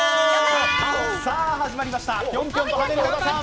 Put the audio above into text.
さあ始まりました、ぴょんぴょんとはねる小田さん。